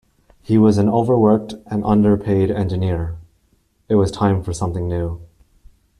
He was an over-worked and underpaid Engineer, it was time for something new.